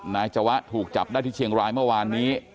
จวะถูกจับได้ที่เชียงรายเมื่อวานนี้